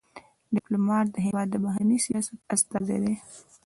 ډيپلومات د هېواد د بهرني سیاست استازی دی.